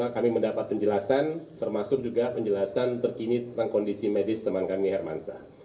kami mendapat penjelasan termasuk juga penjelasan terkini tentang kondisi medis teman kami hermansa